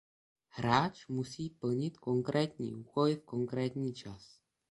Hráč musí plnit konkrétní úkoly v konkrétní čas.